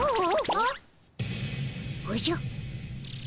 おじゃ？